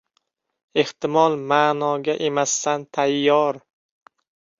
Ehtimol ma’noga emassan tayyor.